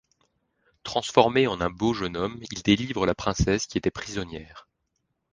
Transformé en un beau jeune homme, il délivre la princesse qui était prisonnière.